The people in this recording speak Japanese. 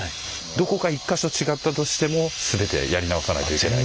どこか１か所違ったとしても全てやり直さないといけない。